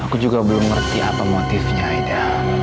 aku juga belum ngerti apa motifnya ida